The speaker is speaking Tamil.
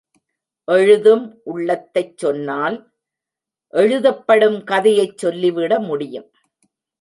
எழுதும் உள்ளத்தைச் சொன்னால், எழுதப்படும் கதையைச் சொல்லிவிட முடியும்.